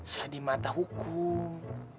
sah di mata hukum